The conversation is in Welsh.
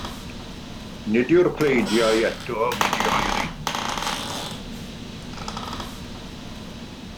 Nid yw'r pleidiau eto wedi oeri.